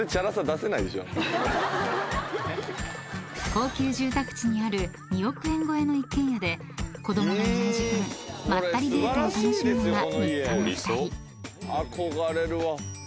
［高級住宅地にある２億円超えの一軒家で子供のいない時間まったりデートを楽しむのが日課な２人］